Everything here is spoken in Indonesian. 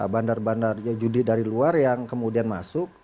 bandar bandar judi dari luar yang kemudian masuk